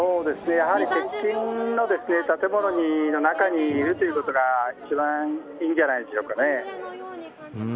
やはり建物の中にいるということが一番いいんじゃないでしょうかね。